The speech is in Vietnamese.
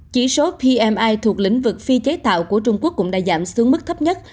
chỉ số pmi thuộc lĩnh vực phi chế tạo của trung quốc cũng đã giảm xuống mức thấp nhất